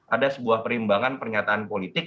ada sebuah perimbangan pernyataan politik